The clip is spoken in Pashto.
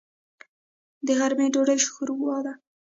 د غرمې ډوډۍ شوروا ده.